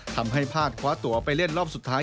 ทำให้พลาดคว้าตัวไปเล่นรอบสุดท้าย